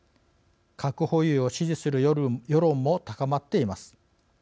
核保有を支持する世論も高まっています。